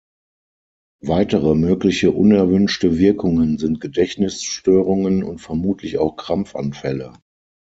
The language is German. Weitere mögliche unerwünschte Wirkungen sind Gedächtnisstörungen und vermutlich auch Krampfanfälle.